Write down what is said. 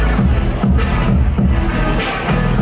ไม่ต้องถามไม่ต้องถาม